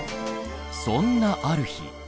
そんなある日。